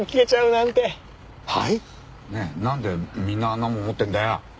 なんでみんなあんなもん持ってんだよ？